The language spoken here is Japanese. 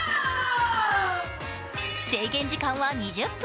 制限時間は２０分。